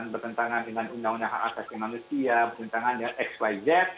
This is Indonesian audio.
bertentangan dengan xyz